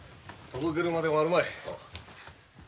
届けるまでもあるまい。